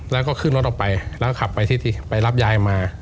แล้วก็ขึ้นรถออกไปแล้วก็ขับไปรับยายมา